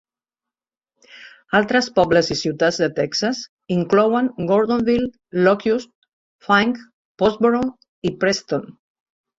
Altres pobles i ciutats de Texas inclouen Gordonville, Locust, Fink, Pottsboro i Preston.